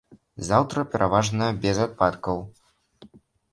Заўтра пераважна без ападкаў.